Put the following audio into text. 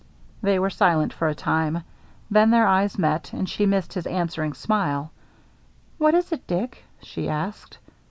They were silent for a time. Then their eyes met, and she missed his answering smile. " What is it, Dick ?" she asked.